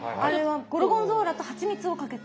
ゴルゴンゾーラと蜂蜜をかけて。